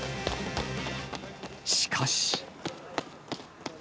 しかし。